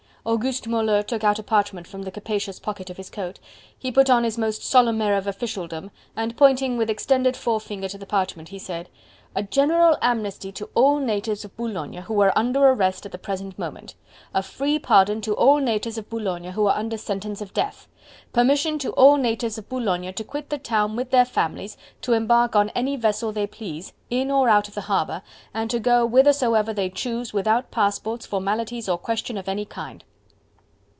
Auguste Moleux took out a parchment from the capacious pocket of his coat; he put on his most solemn air of officialdom, and pointing with extended forefinger to the parchment, he said: "A general amnesty to all natives of Boulogne who are under arrest at the present moment: a free pardon to all natives of Boulogne who are under sentence of death: permission to all natives of Boulogne to quit the town with their families, to embark on any vessel they please, in or out of the harbour, and to go whithersoever they choose, without passports, formalities or questions of any kind."